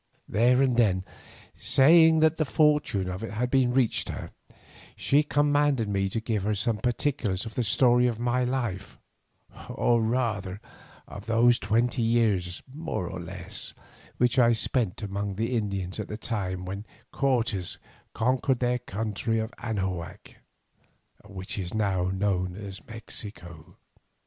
There and then, saying that the fame of it had reached her, she commanded me to give her some particulars of the story of my life, or rather of those twenty years, more or less, which I spent among the Indians at that time when Cortes conquered their country of Anahuac, which is now known as Mexico.